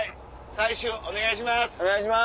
最終お願いします。